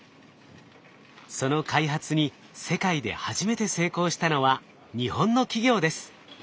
その開発に世界で初めて成功したのは日本の企業です。